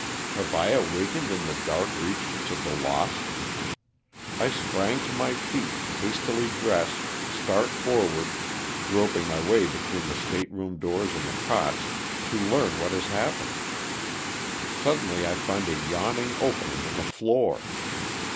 Have I awakened in the dark regions of the lost? I spring to my feet, hastily dress, start forward, groping my way between the state room doors and the cots, to learn what has happened. Suddenly I find a yawning opening in the floor.